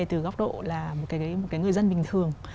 từ góc độ là một người dân bình thường